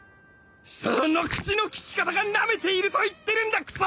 その口の利き方がなめていると言ってるんだくそ